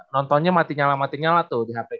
nontonnya mati nyala mati nyala tuh di hp